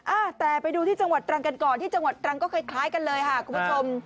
อ่าแต่ไปดูที่จังหวัดตรังกันก่อนที่จังหวัดตรังก็คล้ายกันเลยค่ะคุณผู้ชม